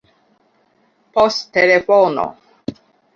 poŝtelefono